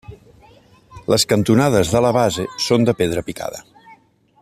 Les cantonades de la base són de pedra picada.